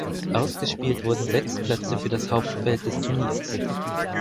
Ausgespielt wurden sechs Plätze für das Hauptfeld des Turniers.